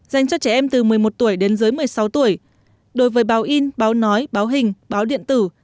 dành cho trẻ em từ một mươi một tuổi đến dưới một mươi sáu tuổi đối với báo in báo nói báo hình báo điện tử